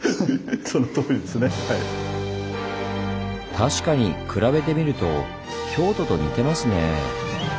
確かに比べてみると京都と似てますねぇ。